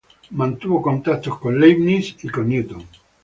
Mantuvo contactos con Leibniz y con Newton.